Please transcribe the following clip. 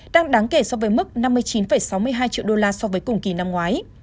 tăng đáng kể so với mức năm mươi chín sáu mươi hai triệu đô la so với cùng kỳ năm ngoái